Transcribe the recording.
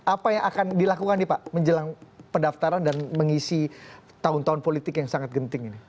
apa yang akan dilakukan nih pak menjelang pendaftaran dan mengisi tahun tahun politik yang sangat genting ini